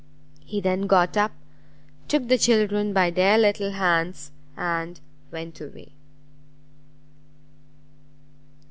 He then got up, took the children by their little hands, and went away.